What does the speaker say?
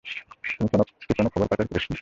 তুই কোনো খবর পাচার করিসনি?